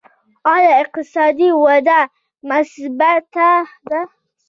آیا اقتصادي وده مثبته ده؟